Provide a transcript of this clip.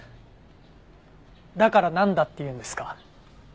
だからなんだって言うんですか？